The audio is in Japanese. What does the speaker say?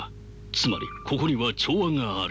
つまりここには調和がある。